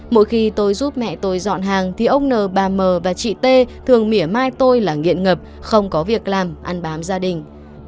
mỗi khi tôi giúp mẹ tôi dọn hàng thì ông n bà mờ và chị t thường mỉa mai tôi là nghiện ngập không có việc làm ăn bám gia đình